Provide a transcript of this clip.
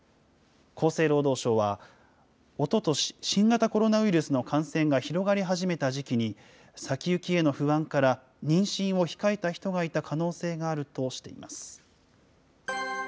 厚生労働省は、おととし、新型コロナウイルスの感染が広がり始めた時期に、先行きへの不安から、妊娠を控えた人がいた可能性があるとしています。